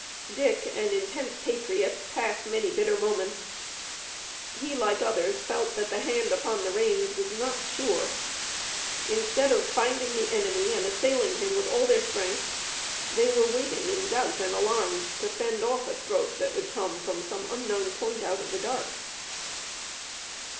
Dick, an intense patriot, passed many bitter moments. He, like others, felt that the hand upon the reins was not sure. Instead of finding the enemy and assailing him with all their strength, they were waiting in doubt and alarm to fend off a stroke that would come from some unknown point out of the dark.